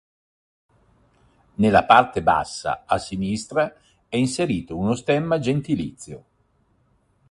Nella parte bassa a sinistra, è inserito uno stemma gentilizio.